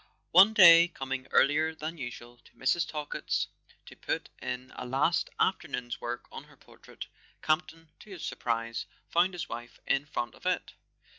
One day, coming earlier than usual to Mrs. Talkett's to put in a last afternoon's work on her portrait, Campton, to his surprise, found his wife in front of it.